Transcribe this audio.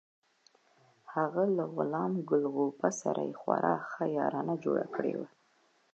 هغه له غلام ګل غوبه سره یې خورا ښه یارانه جوړه کړې وه.